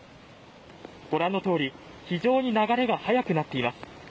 ご覧のとおり非常に流れが速くなっています。